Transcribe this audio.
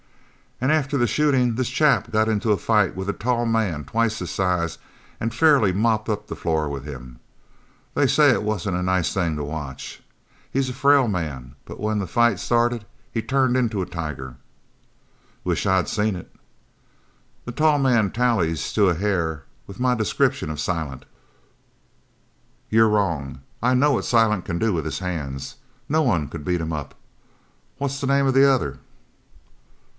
"And after the shooting this chap got into a fight with a tall man twice his size and fairly mopped up the floor with him. They say it wasn't a nice thing to watch. He is a frail man, but when the fight started he turned into a tiger." "Wish I'd seen it." "The tall man tallies to a hair with my description of Silent." "You're wrong. I know what Silent can do with his hands. No one could beat him up. What's the name of the other?"